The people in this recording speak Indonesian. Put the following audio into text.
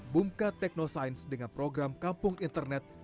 bumka teknosains dengan program kampung internet